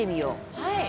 はい。